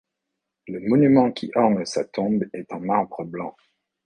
Le monument qui orne sa tombe est en marbre blanc.